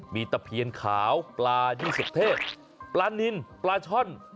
มีตะเพียนขาวปลายี่สิบเทศปลานินปลาช่อน